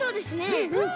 うん！